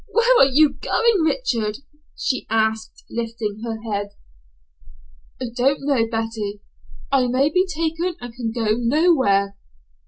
"Where are you going, Richard?" she asked, lifting her head. "I don't know, Betty. I may be taken and can go nowhere."